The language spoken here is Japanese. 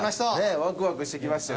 ワクワクしてきましたよ。